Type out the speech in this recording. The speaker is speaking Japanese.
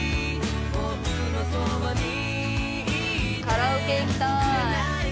カラオケ行きたい。